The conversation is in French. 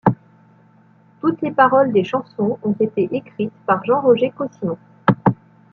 Toutes les paroles des chansons ont été écrites par Jean-Roger Caussimon.